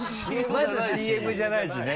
まずＣＭじゃないしね。